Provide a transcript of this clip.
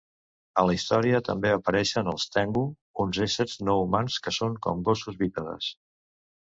A la història també apareixen els Tengu, uns éssers no humans que són com gossos bípedes.